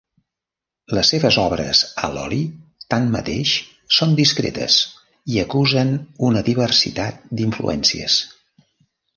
Les seves obres a l'oli tanmateix són discretes i acusen una diversitat d'influències.